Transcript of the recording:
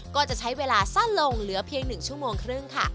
ก็จะใช้เวลาสั้นลงเหลือเพียง๑ชั่วโมงครึ่งค่ะ